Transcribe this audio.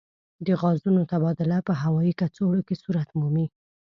د غازونو تبادله په هوايي کڅوړو کې صورت مومي.